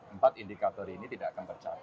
empat indikator ini tidak akan tercapai